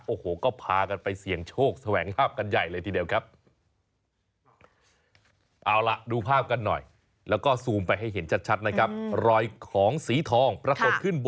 โอ้โหก็พากันไปเสี่ยงโชคแสวงภาพกันใหญ่เลยทีเดียวครับ